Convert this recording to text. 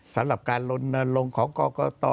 สำหรับการลนลงของกรกต